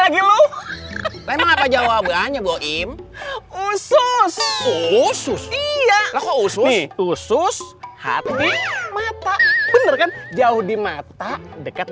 lagi lo memang apa jawabannya boim usus iya usus usus hati mata bener kan jauh di mata dekat